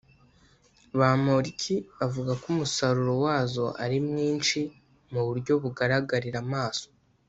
Bamporiki avuga ko umusaruro wazo ari mwinshi mu buryo bugaragarira amaso